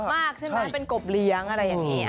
มากใช่ไหมเป็นกบเลี้ยงอะไรอย่างนี้